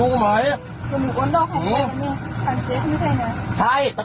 นี่คือคำตอบ